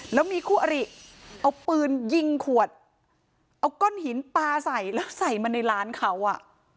แล้วมีคู่อริเอาปืนยิงขวดเอาก้อนหินปลาใส่แล้วใส่มาในร้านเขาอ่ะ